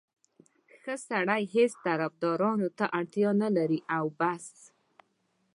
ښه سړی هېڅ طفدارانو ته اړتیا نه لري او بس.